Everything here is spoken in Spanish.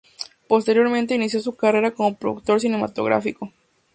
Posteriormente inició su carrera como productor cinematográfico.